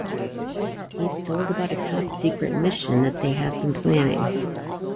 He is told about a top secret mission they have been planning.